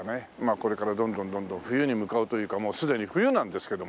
これからどんどんどんどん冬に向かうというかもうすでに冬なんですけどもね。